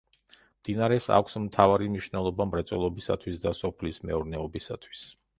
მდინარეს აქვს მთავარი მნიშვნელობა მრეწველობისათვის და სოფლის მეურნეობისათვის.